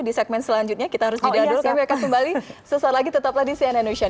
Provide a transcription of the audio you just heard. di segmen selanjutnya kita harus jadikan dulu oh iya siap kami akan kembali sesuai lagi tetap lagi di cnn ocean newsroom